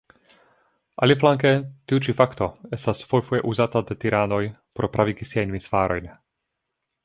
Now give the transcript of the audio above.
Aliflanke tiu ĉi fakto estas fojfoje uzata de tiranoj por pravigi siajn misfarojn.